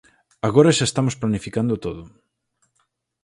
Agora xa estamos planificando todo.